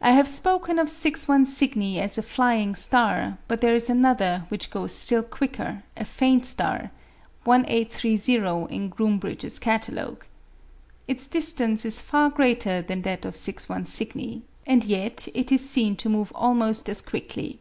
I have spoken of 61 Cygni as a flying star, but there is another which goes still quicker, a faint star, 1830 in Groombridge's Catalogue. Its distance is far greater than that of 61 Cygni, and yet it is seen to move almost as quickly.